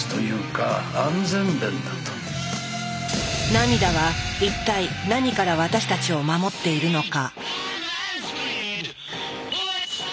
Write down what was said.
涙は一体何から私たちを守っているのか。